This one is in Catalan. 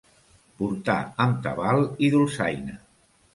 Portar amb tabal i dolçaina.